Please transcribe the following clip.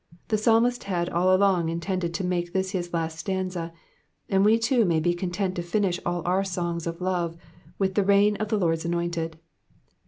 The psalmist had all along intended to make this his last stanza, and we too may be content to finish all our son^ of love with the reign of the Lord's anointed.